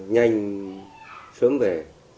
nhanh sớm về